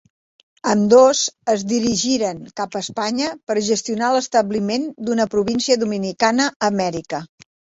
Ambdós es dirigiren cap a Espanya per gestionar l'establiment d'una província dominicana a Amèrica.